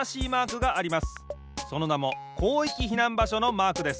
そのなも広域避難場所のマークです。